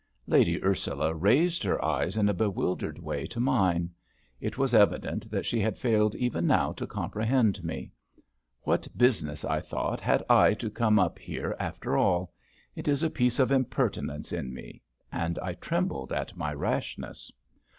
Lady Ursula raised her eyes in a bewildered way to mine. It was evident that she had failed even now to comprehend me. What business, I thought, had I to come up here after all? It is a piece of impertinence in me; and I trembled at my rashness.